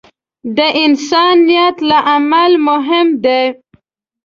د انسان نیت له عمل مهم دی.